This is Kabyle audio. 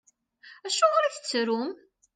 Acuɣeṛ i tettrum?